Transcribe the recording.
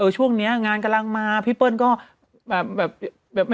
ช่วงนี้งานกำลังมาพี่เปิ้ลก็แบบ